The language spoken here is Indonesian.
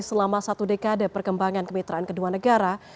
selama satu dekade perkembangan kemitraan kedua negara